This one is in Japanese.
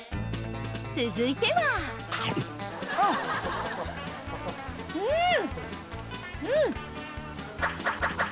続いてはうんうん！